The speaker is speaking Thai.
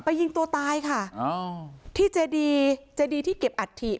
ยิงตัวตายค่ะอ้าวที่เจดีเจดีที่เก็บอัฐิ